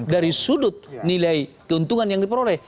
dari sudut nilai keuntungan yang diperoleh